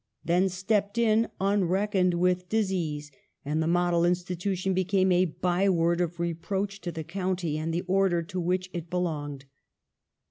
Then stepped in unreckoned with disease, and the model institution became a by word of re proach to the county and the order to which it belonged.